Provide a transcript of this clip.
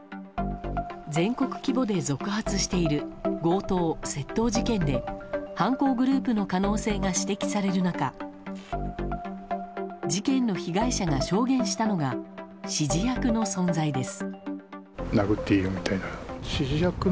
全国規模で続発している強盗・窃盗事件で犯行グループの可能性が指摘される中事件の被害者が証言したのが指示役の存在です。